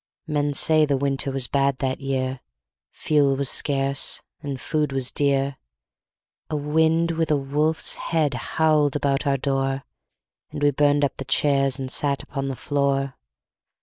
Men say the winter Was bad that year; Fuel was scarce, And food was dear. A wind with a wolf's head Howled about our door, And we burned up the chairs And sat upon the floor.